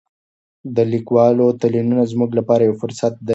د لیکوالو تلینونه زموږ لپاره یو فرصت دی.